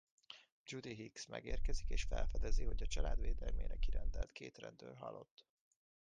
Judy Hicks megérkezik és felfedezi hogy a család védelmére kirendelt két rendőr halott.